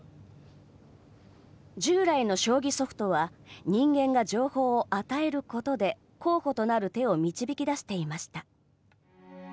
従来の将棋ソフトは人間が情報を与えることで候補となる手を導き出していました。